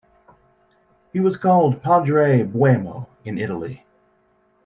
He was called "Padre Boemo" in Italy.